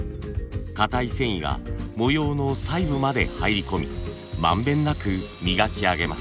硬い繊維が模様の細部まで入り込み満遍なく磨き上げます。